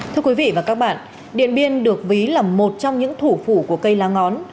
thưa quý vị và các bạn điện biên được ví là một trong những thủ phủ của cây lá ngón